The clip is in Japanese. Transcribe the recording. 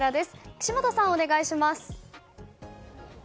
岸本さん、お願いします。